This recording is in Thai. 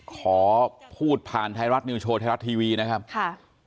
ขอพูดผ่านไทยรัฐนิวโชว์ไทยรัฐทีวีนะครับค่ะ